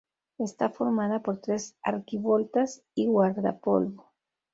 Está formada por tres arquivoltas y guardapolvo.